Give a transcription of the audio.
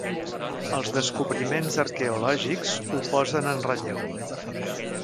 Els descobriments arqueològics ho posen en relleu.